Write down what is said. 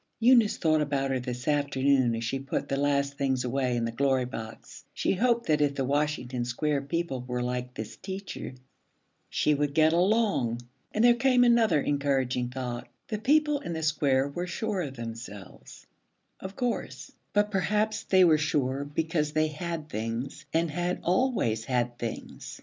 Eunice thought about her this afternoon as she put the last things away in the Glory Box. She hoped that, if the Washington Square people were like this teacher, she would get along. And there came another encouraging thought. The people in the Square were sure of themselves of course, but perhaps they were sure because they had things and had always had things.